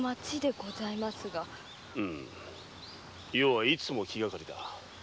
余はいつも気がかりだ。